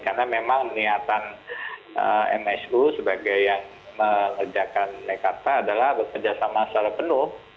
karena memang niatan msu sebagai yang mengerjakan mekarta adalah bekerja sama salah penuh